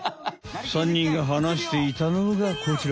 ３にんがはなしていたのがこちら！